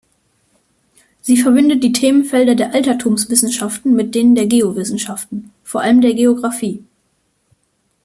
Sie verbindet die Themenfelder der Altertumswissenschaften mit denen der Geowissenschaften, vor allem der Geographie.